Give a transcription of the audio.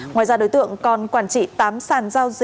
ngoài ra đối tượng còn quản lý tài sản của các nhà đầu tư